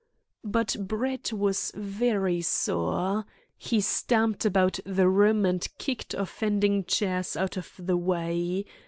But Brett was very sore. He stamped about the room and kicked unoffending chairs out of the way.